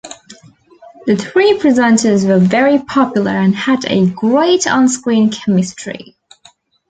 The three presenters were very popular and had a great on screen chemistry.